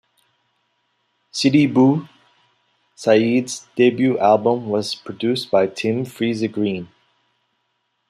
Sidi Bou Said's debut album was produced by Tim Friese-Greene.